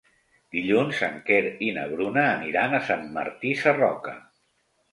Dilluns en Quer i na Bruna aniran a Sant Martí Sarroca.